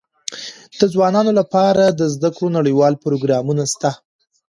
د ځوانانو لپاره د زده کړو نړيوال پروګرامونه سته.